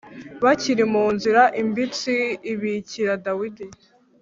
Bakiri mu nzira, imbitsi ibikira Dawidi